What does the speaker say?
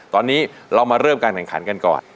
ตอนนี้เรามาเริ่มการแข่งขันกันก่อน